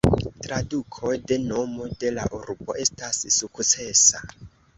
Traduko de nomo de la urbo estas "sukcesa".